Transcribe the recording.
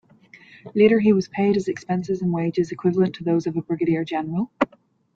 Later he was paid his expenses and wages equivalent to those of a Brigadier-General.